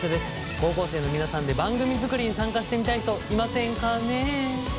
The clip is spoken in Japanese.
高校生の皆さんで番組作りに参加してみたい人いませんかねえ？